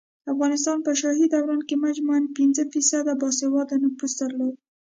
افغانستان په شاهي دوران کې مجموعاً پنځه فیصده باسواده نفوس درلود